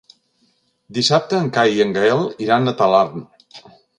Dissabte en Cai i en Gaël iran a Talarn.